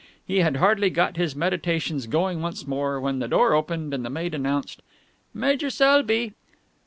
He had hardly got his meditations going once more, when the door opened and the maid announced "Major Selby."